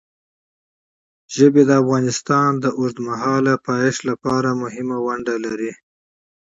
ژبې د افغانستان د اوږدمهاله پایښت لپاره مهم رول لري.